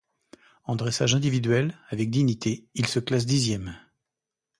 En dressage individuel, avec Dignité, il se classe dixième.